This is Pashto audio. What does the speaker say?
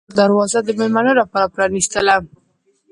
هغه د کور دروازه د میلمنو لپاره پرانیستله.